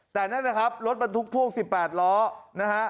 แต่นั่นนะครับรถบรรทุกพ่วง๑๘ล้อนะฮะ